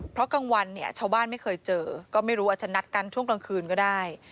เพราะกลางวันเนี่ยชาวบ้านไม่เคยเจอก็ไม่รู้อาจจะนัดกันช่วงกลางคืนก็ได้